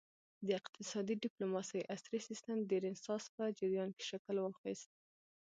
د اقتصادي ډیپلوماسي عصري سیسټم د رینسانس په جریان کې شکل واخیست